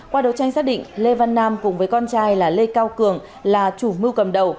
qua đấu tranh xác định lê văn nam cùng với con trai là lê cao cường là chủ mưu cầm đầu